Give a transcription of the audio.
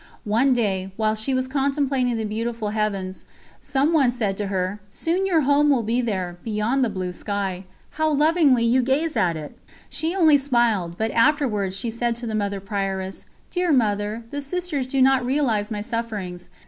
One day, while she was contemplating the beautiful heavens, some one said to her: "soon your home will be there, beyond the blue sky. How lovingly you gaze at it!" She only smiled, but afterwards she said to the Mother Prioress: "Dear Mother, the Sisters do not realise my sufferings.